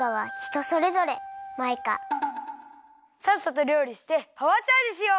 さっさとりょうりしてパワーチャージしよう！